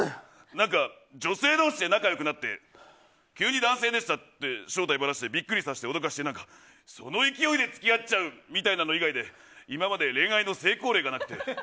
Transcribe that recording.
何か、女性同士で仲良くなって急に男性でしたって正体ばらしてビックリさせて脅かしてその勢いで付き合っちゃうみたいなの以外で今まで恋愛の成功例がなくて。